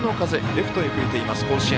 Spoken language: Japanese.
レフトへ吹いています、甲子園。